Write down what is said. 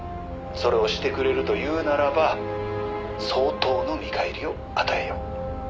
「それをしてくれるというならば相当の見返りを与えよう」